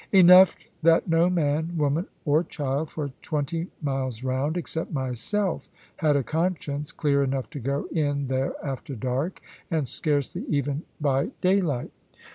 Enough that no man, woman, or child, for twenty miles round, except myself, had a conscience clear enough to go in there after dark, and scarcely even by daylight.